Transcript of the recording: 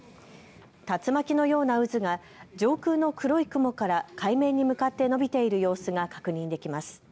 竜巻のような渦が上空の黒い雲から海面に向かって伸びている様子が確認できます。